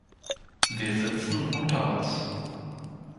Wir sitzen unter uns.